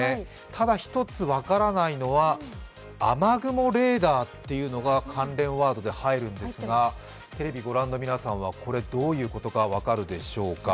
ただ１つ分からないのは雨雲レーダーというのが関連ワードで入るんですが、テレビをご覧の皆さんはこれ、どういうことか分かるでしょうか。